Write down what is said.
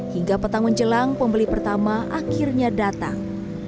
hingga petang menjelang pembeli pertama akhirnya datang